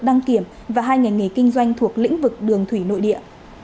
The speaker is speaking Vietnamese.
đăng kiểm và hai ngành nghề kinh doanh thuộc lĩnh vực đường thủy nội địa